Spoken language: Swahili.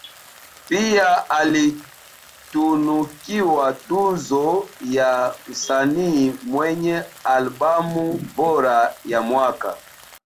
Pia alitunukiwa tuzo ya msanii mwenye albamu bora ya mwaka